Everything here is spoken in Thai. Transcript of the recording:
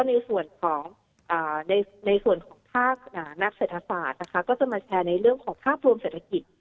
แล้วก็ในส่วนของหนักเศรษฐศาสตร์ก็จะมาแชร์ในเรื่องของภาพรวมเศรษฐกิจ